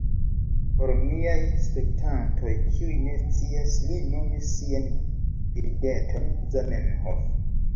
Por miaj spektantoj, kiuj ne scias... li nomis sian birdeton Zamenhof